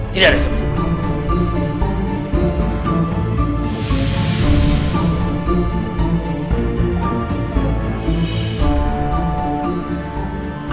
tidak ada siapa siapa